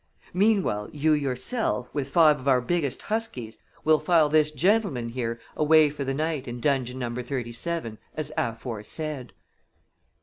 Meanwhile, you yourself, with five of our biggest huskies, will file this gentleman here away for the night in dungeon number thirty seven, as aforesaid."